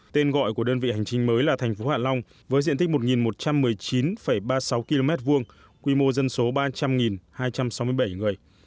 tên gọi của đơn vị hành chính mới là thành phố hạ long với diện tích một một trăm một mươi chín ba mươi sáu km hai quy mô dân số ba trăm linh hai trăm sáu mươi bảy người